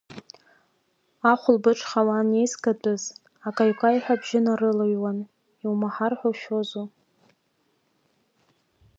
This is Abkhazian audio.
Ахәылбыҽха ауаа анеизгатәыз, акаҩ-акаҩҳәа абжьы нарылаҩуан, иумаҳар ҳәа ушәозу…